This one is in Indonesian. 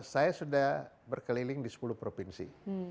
saya sudah berkeliling di sepuluh provinsi